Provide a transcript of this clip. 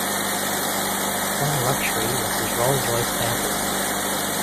One luxury was his Rolls-Royce Phantom.